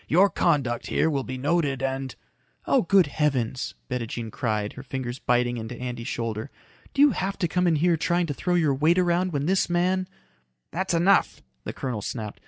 Your conduct here will be noted and " "Oh, good heavens!" Bettijean cried, her fingers biting into Andy's shoulder. "Do you have to come in here trying to throw your weight around when this man " "That's enough," the colonel snapped.